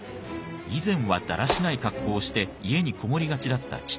以前はだらしない格好をして家に籠もりがちだった父。